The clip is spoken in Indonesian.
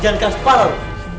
jangan kasih parah lu